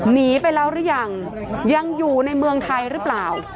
หนีไปแล้วหรือยังยังอยู่ในเมืองไทยหรือเปล่า